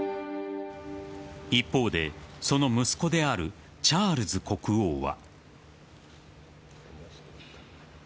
一方で、その息子であるチャールズ国王は。